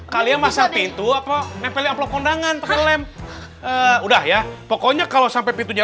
kalian masa pintu apa nempel aplok kondangan terlem udah ya pokoknya kalau sampai pintunya